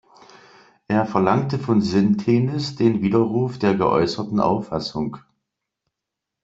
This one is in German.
Er verlangte von Sintenis den Widerruf der geäußerten Auffassung.